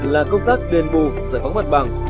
là công tác đền bù giải phóng mặt bằng